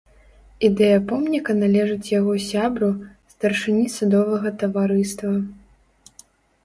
Ідэя помніка належыць яго сябру, старшыні садовага таварыства.